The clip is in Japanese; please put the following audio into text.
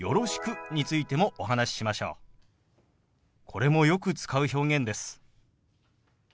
これもよく使う表現です。